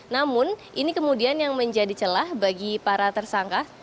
namun ini kemudian yang menjadi celah bagi para tersangka